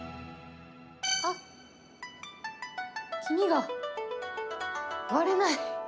あっ、黄身が割れない。